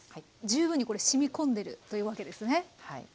十分にこれしみ込んでるというわけですね。